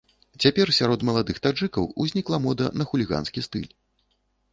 Цяпер сярод маладых таджыкаў узнікла мода на хуліганскі стыль.